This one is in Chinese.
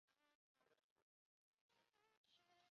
乾隆十五年任两广总督。